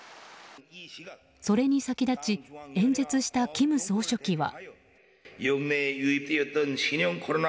それに先立ち、演説した金総書記は。